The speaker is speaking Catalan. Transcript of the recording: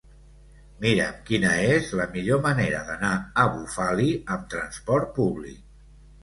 Mira'm quina és la millor manera d'anar a Bufali amb transport públic.